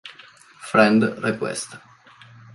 Friend Request